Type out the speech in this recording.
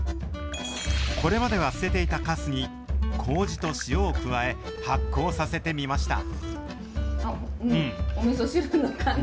これまでは捨てていたかすに、こうじと塩を加え、発酵させてみました。